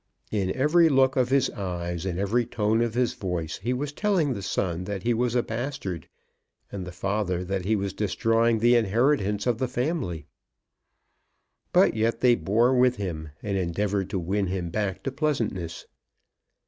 In every look of his eyes and every tone of his voice he was telling the son that he was a bastard, and the father that he was destroying the inheritance of the family. But yet they bore with him, and endeavoured to win him back to pleasantness.